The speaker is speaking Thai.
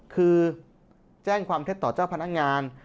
คือแจ้งความเท็จต่อเจ้าพนักงาน